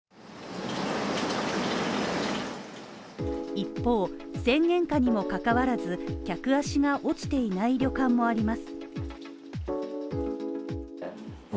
一方、宣言下にもかかわらず客足が落ちていない旅館もあります。